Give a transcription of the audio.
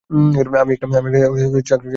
আমি একটা চাকরির অফার পেয়েছিলাম।